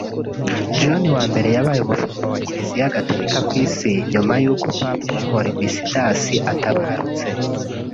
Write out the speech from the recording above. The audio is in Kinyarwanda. John I yabaye umushumba wa Kiliziya gatolika ku isi nyuma y’uko papa Hormisdas atabarutse